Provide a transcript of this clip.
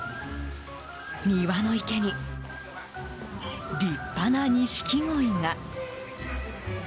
庭の池に立派なニシキゴイが。